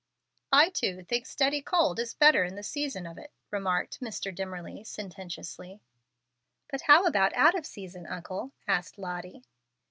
"I, too, think steady cold is better in the season of it," remarked Mr. Dimmerly, sententiously. "But how about it out of season, uncle?" asked Lottie.